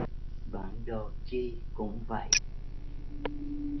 Bản đồ chi cũng vậy